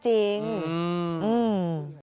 อืม